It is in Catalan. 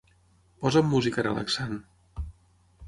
Posa'm música relaxant.